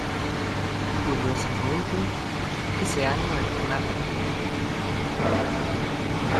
Curiosamente, ese año el canal E!